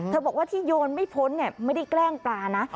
บอกว่าที่โยนไม่พ้นไม่ได้แกล้งปลานะ